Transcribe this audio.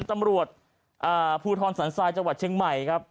ตำรวจภูทรสันทรายจังหวัดเชียงใหม่ครับ